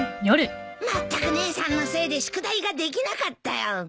まったく姉さんのせいで宿題ができなかったよ。